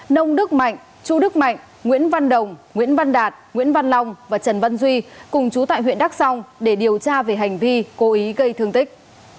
nông đức mạnh chu đức mạnh nguyễn văn đồng nguyễn văn đạt nguyễn văn long và trần văn duy cùng chú tại huyện đắk song để điều tra về hành vi cố ý gây thương tích